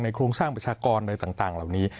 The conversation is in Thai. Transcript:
โครงสร้างประชากรอะไรต่างเหล่านี้